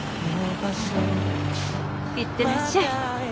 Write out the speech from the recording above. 行ってらっしゃい。